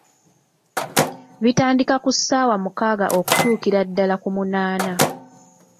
Bitandika ku ssaawa mukaaga okutuukira ddala ku munaana.